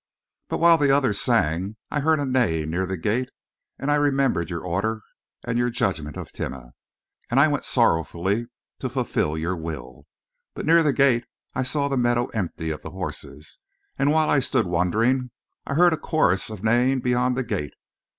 "But while the others sang, I heard a neighing near the gate and I remembered your order and your judgment of Timeh, and I went sorrowfully to fulfill your will. But near the gate I saw the meadow empty of the horses, and while I stood wondering, I heard a chorus of neighing beyond the gate.